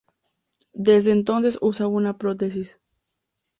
Desde entonces usa una prótesis.